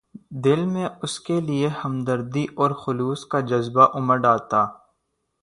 دل میں اس کے لیے ہمدردی اور خلوص کا جذبہ اُمڈ آتا